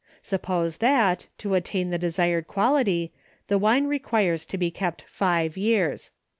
Suppose that, to attain the desired quality, the wine requires to be kept five years.